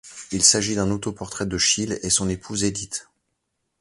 Il s'agit d'un autoportrait de Schiele et son épouse Edith.